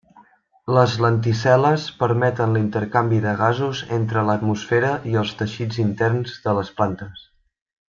Les lenticel·les permeten l'intercanvi de gasos entre l'atmosfera i els teixits interns de les plantes.